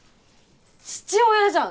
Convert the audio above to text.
父親じゃん！